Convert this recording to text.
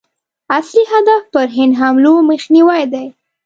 اصلي هدف پر هند حملو مخنیوی دی.